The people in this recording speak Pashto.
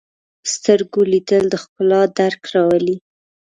په سترګو لیدل د ښکلا درک راولي